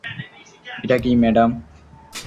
এটা কি ম্যাডাম?